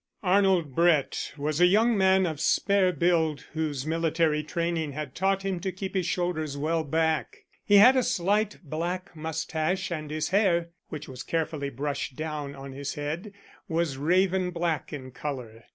Arnold Brett was a young man of spare build whose military training had taught him to keep his shoulders well back. He had a slight black moustache, and his hair, which was carefully brushed down on his head, was raven black in colour.